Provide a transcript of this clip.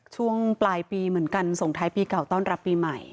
ช่วงปลายปีเหมือนกันส่งท้ายปีเก่าต้อนรับปีใหม่